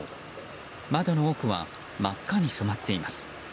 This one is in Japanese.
窓の奥は真っ赤に染まっています。